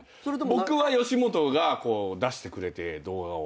僕は吉本が出してくれて動画を。